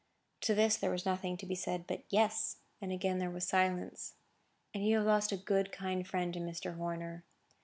To this there was nothing to be said but "Yes;" and again there was silence. "And you have lost a good, kind friend, in Mr. Horner."